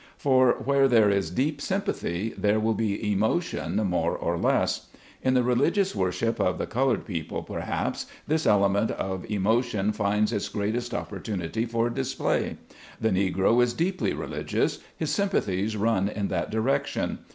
For where there is deep sympathy, there will be emotion more or less. In the religious worship of the colored people, perhaps, this element of emotion finds its greatest opportunity for display. The Negro is deeply religious, his sympathies run in that direction.